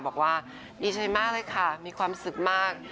บอกว่าดีใจมากเลยค่ะมีความสุขมาก